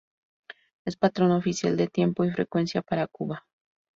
Es patrón oficial de tiempo y frecuencia para Cuba.